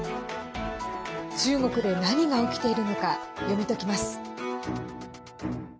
中国で何が起きているのか読み解きます。